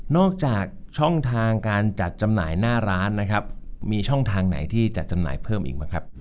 จากช่องทางการจัดจำหน่ายหน้าร้านนะครับมีช่องทางไหนที่จะจำหน่ายเพิ่มอีกบ้างครับ